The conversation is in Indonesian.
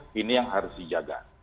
karena itu ini yang harus dijaga